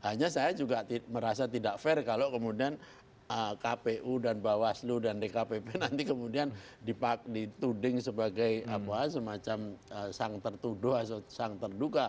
hanya saya juga merasa tidak fair kalau kemudian kpu dan bawaslu dan dkpp nanti kemudian dituding sebagai semacam sang tertuduh atau sang terduga